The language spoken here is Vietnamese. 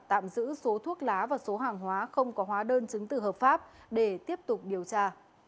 tạm giữ số thuốc lá và số hàng hóa không có hóa đơn chứng từ hợp pháp để tiếp tục điều tra